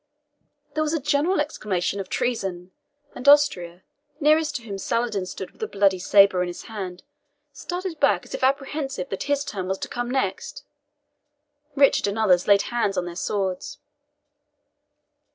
There was a general exclamation of treason, and Austria, nearest to whom Saladin stood with the bloody sabre in his hand, started back as if apprehensive that his turn was to come next. Richard and others laid hand on their swords.